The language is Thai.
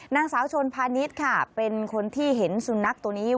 นางสาวชนพาณิชย์ค่ะเป็นคนที่เห็นสุนัขตัวนี้